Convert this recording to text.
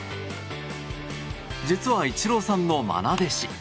実は、イチローさんの愛弟子。